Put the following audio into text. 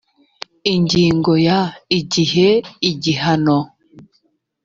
ingingo ya…: igihe igihano